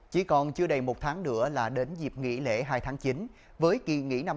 chỉ còn chưa đầy một tháng nữa là đến dịp nghỉ lễ hai tháng chín